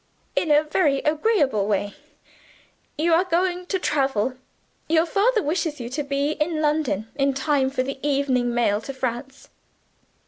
"In a very agreeable way you are going to travel. Your father wishes you to be in London, in time for the evening mail to France."